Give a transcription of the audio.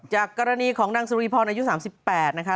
จากกรณีของนางสุรีพรอายุ๓๘นะคะ